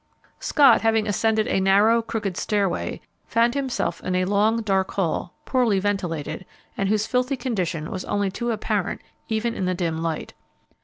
Scott, having ascended a narrow, crooked stairway, found himself in a long, dark hall, poorly ventilated, and whose filthy condition was only too apparent even in the dim light.